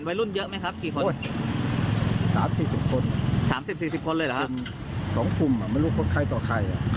สามสิบสี่สิบคนเลยหรือครับสองคุมไม่รู้คนไข้ต่อใคร